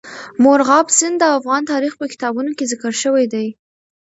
مورغاب سیند د افغان تاریخ په کتابونو کې ذکر شوی دي.